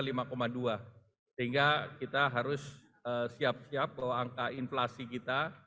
sehingga kita harus siap siap bahwa angka inflasi kita